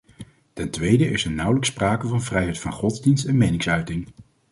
Ten tweede is er nauwelijks sprake van vrijheid van godsdienst en meningsuiting.